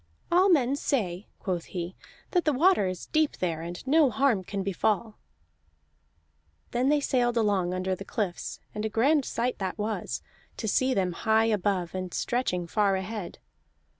"All men say," quoth he, "that the water is deep there, and no harm can befall." Then they sailed along under the cliffs, and a grand sight that was, to see them high above and stretching far ahead.